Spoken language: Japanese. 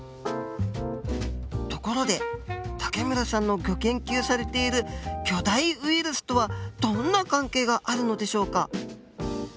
ところで武村さんのギョ研究されている巨大ウイルスとはどんな関係があるのでしょうか。